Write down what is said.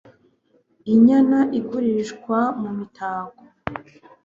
Inyana igurishwa mu mitako